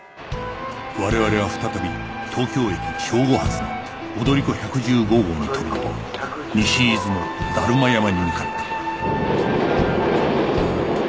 我々は再び東京駅正午発の踊り子１１５号に飛び乗り西伊豆の達磨山に向かった